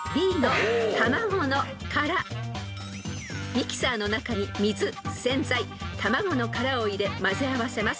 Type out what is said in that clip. ［ミキサーの中に水洗剤卵の殻を入れ混ぜ合わせます］